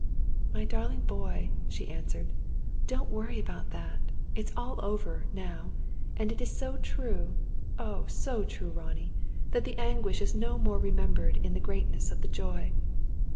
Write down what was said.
"My darling boy," she answered, "don't worry about that! It is all over, now; and it is so true oh, so true, Ronnie that the anguish is no more remembered in the greatness of the joy."